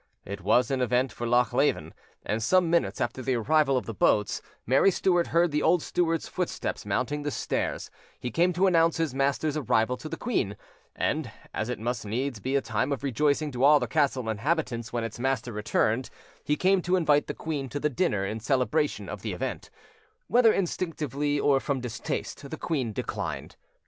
It was an event for Lochleven; and, some minutes after the arrival of the boats, Mary Stuart heard the old steward's footsteps mounting the stairs: he came to announce his master's arrival to the queen, and, as it must needs be a time of rejoicing to all the castle inhabitants when its master returned, he came to invite the queen to the dinner in celebration of the event: whether instinctively or from distaste, the queen declined.